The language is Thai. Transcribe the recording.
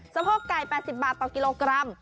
สะโพกไก่๘๐บาทต่อกิโลกรัม